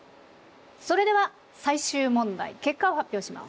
それでは最終問題結果を発表します。